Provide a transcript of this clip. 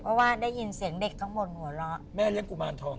เพราะว่าได้ยินเสียงเด็กตั้งบนหัวเล่น